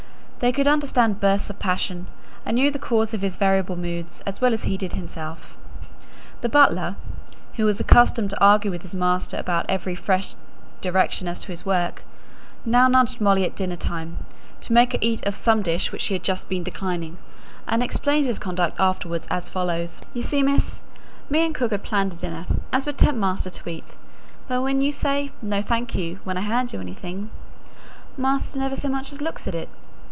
They could understand bursts of passion, and knew the cause of his variable moods as well as he did himself. The butler, who was accustomed to argue with his master about every fresh direction as to his work, now nudged Molly at dinner time to make her eat of some dish which she had just been declining, and explained his conduct afterwards as follows: "You see, miss, me and cook had planned a dinner as would tempt master to eat; but when you say, 'No, thank you,' when I hand you anything, master never so much as looks at it.